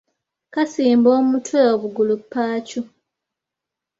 Kasimba omutwe obugulu paacu?